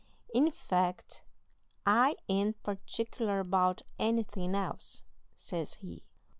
In fact, I ain't particular about anything else,' says he.